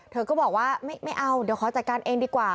เธอก็บอกว่าไม่เอาเดี๋ยวขอจัดการเองดีกว่า